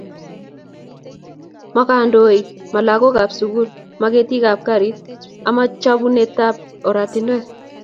Mo kandoik, mo lagokab sukul, mo ketikab garit, amo chebunotei oratinwek